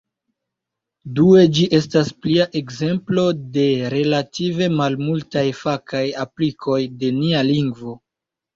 Due, ĝi estas plia ekzemplo de relative malmultaj fakaj aplikoj de nia lingvo.